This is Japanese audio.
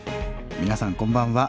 皆さんこんばんは。